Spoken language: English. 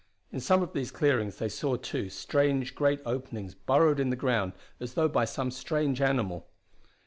In some of these clearings they saw, too, strange great openings burrowed in the ground as though by some strange animal.